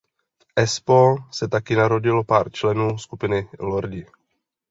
V Espoo se taky narodilo pár členů skupiny Lordi.